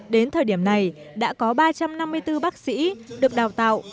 đến thời điểm này đã có ba trăm năm mươi bốn bác sĩ được đào tạo